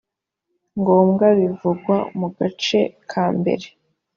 ngombwa bivugwa mu gace ka mbere